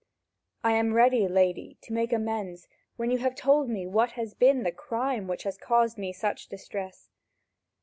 I am ready now, lady, to make amends, when you have told me what has been the crime which has caused me such distress."